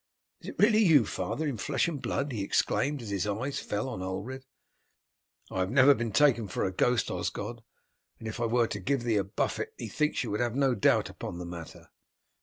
"Is it really you, father, in flesh and blood?" he exclaimed as his eyes fell on Ulred. "I have never been taken for a ghost, Osgod, and if I were to give thee a buffet methinks you would have no doubt upon the matter."